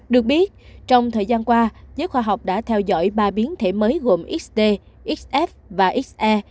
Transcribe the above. được biết trong thời gian qua giới khoa học đã theo dõi ba biến thể mới gồm xt xf và xe